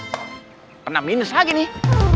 pernah minus lagi nih